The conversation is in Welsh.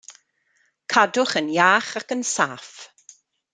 Cadwch yn iach ac yn saff.